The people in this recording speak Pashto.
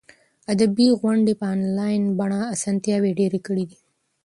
ادبي غونډې په انلاین بڼه اسانتیاوې ډېرې کړي دي.